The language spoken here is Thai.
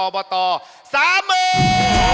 อบอตตอร์มหาสนุก